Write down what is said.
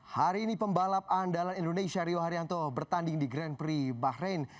hari ini pembalap andalan indonesia rio haryanto bertanding di grand prix bahrain